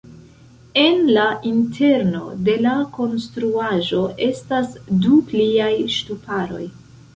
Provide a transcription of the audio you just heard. En la interno de la konstruaĵo estas du pliaj ŝtuparoj.